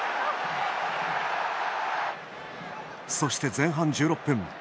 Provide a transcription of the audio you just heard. そして、前半１６分。